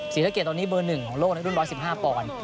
ศิริษฐกรรมตอนนี้เบอร์๑ของโลกรุ่น๑๑๕ปอนด์